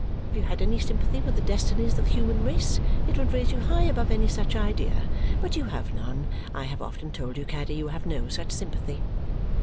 If you had any sympathy with the destinies of the human race, it would raise you high above any such idea. But you have none. I have often told you, Caddy, you have no such sympathy."